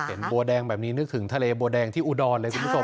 เห็นบัวแดงแบบนี้นึกถึงทะเลบัวแดงที่อุดรเลย